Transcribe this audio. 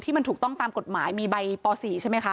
มันถูกต้องตามกฎหมายมีใบป๔ใช่ไหมคะ